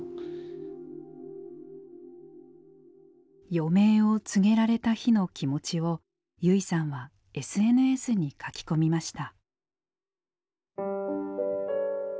余命を告げられた日の気持ちを優生さんはＳＮＳに書き込みました。